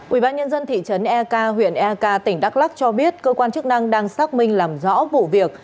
ubnd thị trấn eak huyện eka tỉnh đắk lắc cho biết cơ quan chức năng đang xác minh làm rõ vụ việc